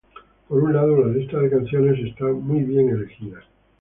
Por un lado, la lista de canciones está muy bien elegida.